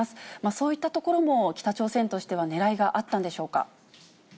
そういったところも、北朝鮮としてはねらいがあったんでしょうか。